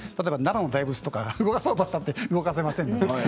奈良の大仏とかは動かそうと思っても動かせません。